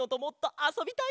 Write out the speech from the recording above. あそびたい！